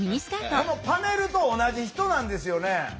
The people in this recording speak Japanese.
このパネルと同じ人なんですよね。